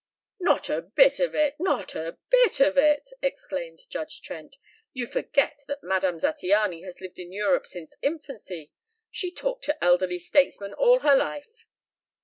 "Not a bit of it! Not a bit of it!" exclaimed Judge Trent. "You forget that Madame Zattiany has lived in Europe since infancy. She's talked to elderly statesmen all her life."